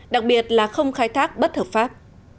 đặc biệt là không khai thác bất hợp pháp